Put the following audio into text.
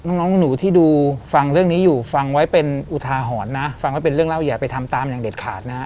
น้องหนูที่ฟังเรื่องนี้อยู่ฟังไว้เป็นอุทาหอนนะเพื่อนหนูฟังเป็นเล่าอย่าถามตามอย่างเด็ดขาดนะ